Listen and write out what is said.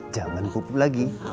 jangan pupuk lagi